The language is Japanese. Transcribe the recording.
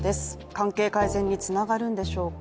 関係改善につながるんでしょうか。